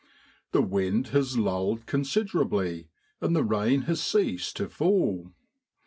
The wind has lulled considerably, and the rain has ceased to fall.